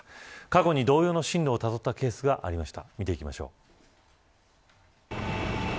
過去に同様の進路をたどったケースがありました。